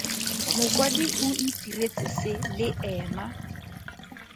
Mokwadi o itiretse se le ena.